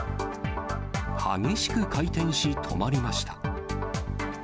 激しく回転し止まりました。